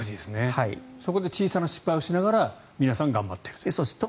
そこで小さな失敗をしながらみんな頑張っていると。